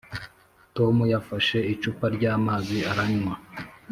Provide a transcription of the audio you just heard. ] tom yafashe icupa ryamazi aranywa.